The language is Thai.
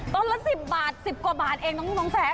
ต้นละสิบบาทสิบกว่าบาทเองน้องแซก